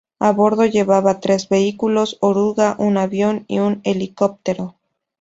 A bordo llevaba tres vehículos oruga, un avión y un helicóptero.